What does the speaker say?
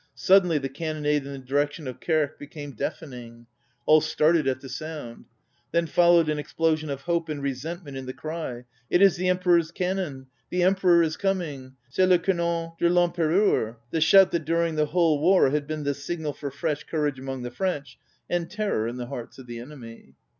Suddenly the cannonade in the direc tion of Quercq became deafening. All started at the sound. Then followed an explosion of hope and resentment in the cry: "It is the Emperor's cannon! The Emperor is coming! C'est le canon de VEm pereur!" ŌĆö the shout that during the whole war had been the signal for fresh courage among the French and terror in the hearts of the enemy.